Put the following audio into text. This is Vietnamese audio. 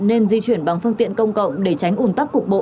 nên di chuyển bằng phương tiện công cộng để tránh ủn tắc cục bộ